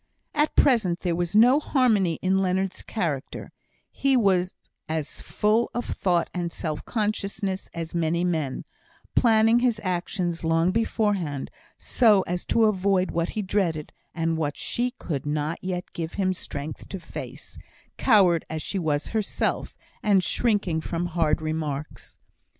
At present there was no harmony in Leonard's character; he was as full of thought and self consciousness as many men, planning his actions long beforehand, so as to avoid what he dreaded, and what she could not yet give him strength to face, coward as she was herself, and shrinking from hard remarks.